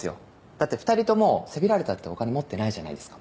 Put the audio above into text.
だって２人共せびられたってお金持ってないじゃないですか